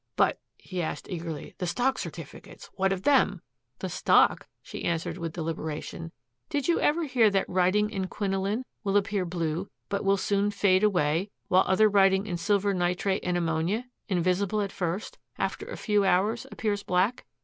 "But," he asked eagerly, "the stock certificates what of them!" "The stock?" she answered with deliberation. "Did you ever hear that writing in quinoline will appear blue, but will soon fade away, while other writing in silver nitrate and ammonia, invisible at first, after a few hours appears black?